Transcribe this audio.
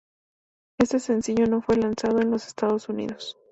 Este sencillo no fue lanzado en los Estados Unidos.